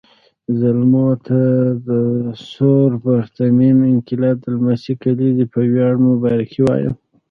زلمو ته د ثور پرتمین انقلاب د لسمې کلېزې په وياړ مبارکي وایم